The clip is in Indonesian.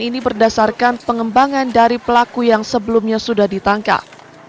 ini berdasarkan pengembangan dari pelaku yang sebelumnya sudah ditangkap